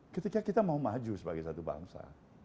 ketika kita mau maju sebagai satu bangsa